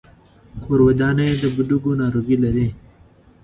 کورودانه يې د بډوګو ناروغي لري.